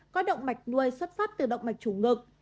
có động mạch nuôi xuất phát từ động mạch chủ ngực